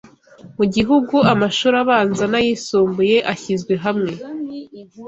mugihugu amashuri abanza n'ayisumbuye ashyizwe hamwe